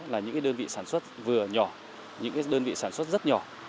là những đơn vị sản xuất vừa nhỏ những đơn vị sản xuất rất nhỏ